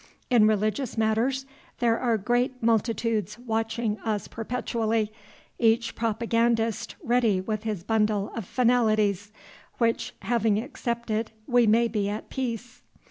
In religious matters there are great multitudes watching us perpetually, each propagandist ready with his bundle of finalities, which having accepted we may be at peace.